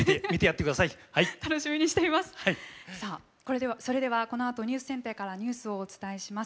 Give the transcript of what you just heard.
さあそれではこのあとニュースセンターからニュースをお伝えします。